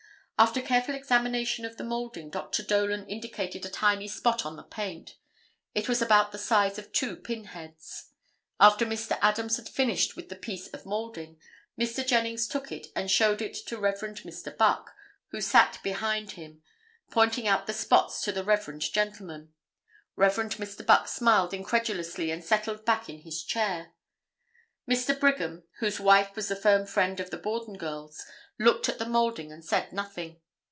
After careful examination of the moulding Dr. Dolan indicated a tiny spot on the paint. It was about the size of two pin heads. After Mr. Adams had finished with the piece of moulding, Mr. Jennings took it and showed it to Rev. Mr. Buck, who sat behind him, pointing out the spots to the reverend gentleman. Rev. Mr. Buck smiled incredulously and settled back in his chair. Mr. Brigham, whose wife was the firm friend of the Borden girls, looked at the moulding and said nothing.